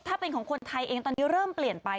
ถ้าเป็นของคนไทยเองตอนนี้เริ่มเปลี่ยนไป